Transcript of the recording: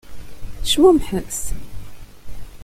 Cmumḥet!